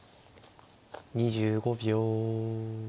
２５秒。